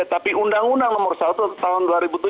tapi undang undang nomor satu tahun dua ribu tujuh